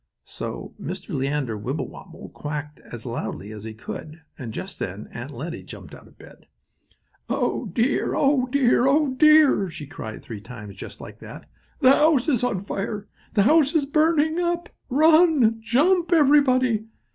So Mr. Leander Wibblewobble quacked as loudly as he could, and just then Aunt Lettie jumped out of bed. "Oh dear! Oh dear! Oh dear!" she cried, three times, just like that. "The house is on fire! The house is burning up! Run! Jump, everybody!"